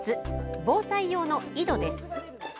防災用の井戸です。